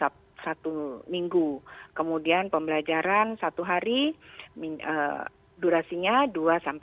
jadi pembelajaran dilakukan minimal dua tiga hari dalam satu minggu kemudian pembelajaran satu hari durasinya disesuaikan kepada anak nya